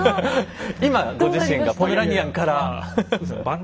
今ご自身がポメラニアンからフフッ。